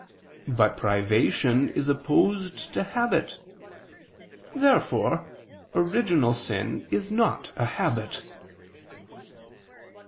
But privation is opposed to habit. Therefore original sin is not a habit.